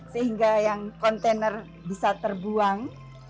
sehingga yang kontainer bisa terbuang